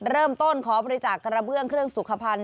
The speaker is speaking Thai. เริ่มต้นขอบริจาคกระเบื้องเครื่องสุขภัณฑ